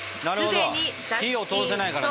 なるほど火を通せないからね。